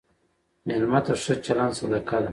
مېلمه ته ښه چلند صدقه ده.